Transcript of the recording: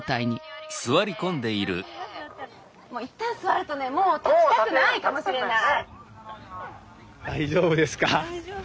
一旦座るとねもう立ちたくないかもしれない。